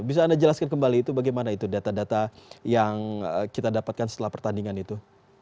bisa anda jelaskan kembali itu bagaimana itu data data yang kita dapatkan setelah pertandingan itu